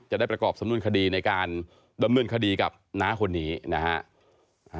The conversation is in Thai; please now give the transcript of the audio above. จะได้ประกอบสำนวนคดีในการดำเนินคดีกับน้าคนนี้นะฮะ